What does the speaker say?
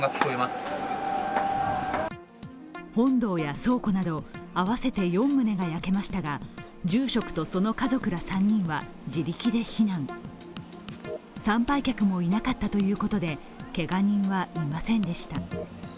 本堂や倉庫など、合わせて４棟が焼けましたが、住職とその家族ら３人は自力で避難参拝客もいなかったということでけが人はいませんでした。